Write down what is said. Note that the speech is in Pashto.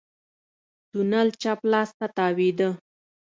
تونل چپ لاس ته تاوېده.